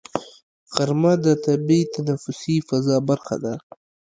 غرمه د طبیعي تنفسي فضا برخه ده